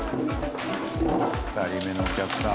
２人目のお客さん。